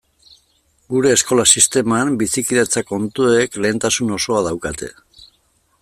Gure eskola sisteman bizikidetza kontuek lehentasun osoa daukate.